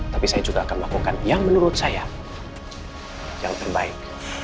tapi saya juga akan melakukan yang menurut saya yang terbaik